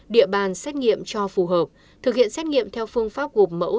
địa bàn xét nghiệm cho phù hợp thực hiện xét nghiệm theo phương pháp gộp mẫu